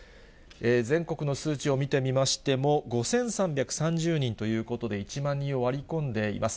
全国の数値を見てみましても、５３３０人ということで、１万人を割り込んでいます。